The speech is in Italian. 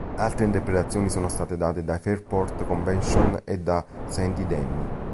Altre interpretazioni sono state date dai Fairport Convention e da Sandy Denny.